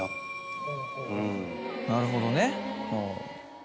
なるほどねうん。